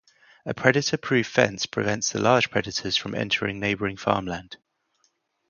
A predator-proof fence prevents the large predators from entering neighboring farmland.